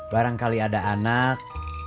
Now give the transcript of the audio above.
barangkali ada anak